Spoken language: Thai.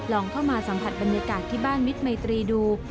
เข้ามาสัมผัสบรรยากาศที่บ้านมิตรมัยตรีดู